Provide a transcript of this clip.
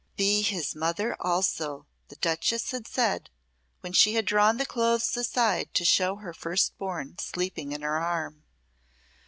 "Be his mother also," the duchess had said when she had drawn the clothes aside to show her first born sleeping in her arm.